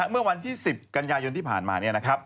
เมื่อวันที่๑๐กันยายนที่ผ่านมา